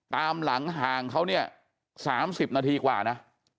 ตามหลังห่างเขาเนี่ย๓๐นาทีกว่านะ